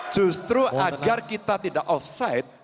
justru agar kita tidak off site